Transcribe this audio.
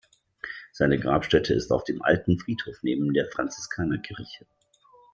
Seine Grabstätte ist auf dem "Alten Friedhof" neben der Franziskanerkirche.